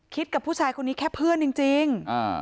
กับผู้ชายคนนี้แค่เพื่อนจริง